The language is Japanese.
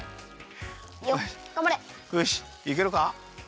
よしいけるか？